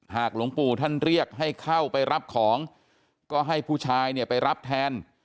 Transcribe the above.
หลวงปู่ท่านเรียกให้เข้าไปรับของก็ให้ผู้ชายเนี่ยไปรับแทน